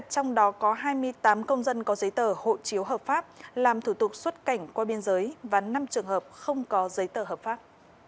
trong đó có hai mươi tám công dân có giấy tờ hộ chiếu hợp pháp làm thủ tục xuất cảnh qua biên giới và năm trường hợp không có giấy tờ hợp pháp